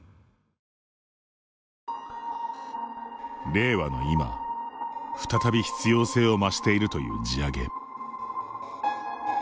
令和の今、再び必要性を増しているという地上げ。